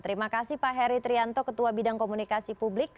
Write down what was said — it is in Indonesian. terima kasih pak heri trianto ketua bidang komunikasi publik